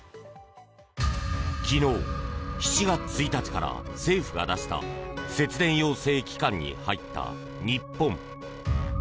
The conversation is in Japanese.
昨日７月１日から政府が出した節電要請期間に入った日本。